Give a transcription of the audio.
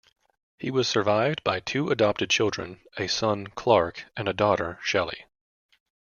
He was survived by two adopted children, a son, Clark, and a daughter, Shelley.